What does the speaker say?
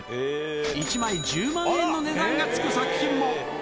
１枚１０万円の値段がつく作品も。